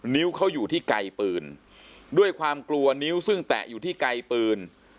นิ้วเขาอยู่ที่ไกลปืนด้วยความกลัวนิ้วซึ่งแตะอยู่ที่ไกลปืน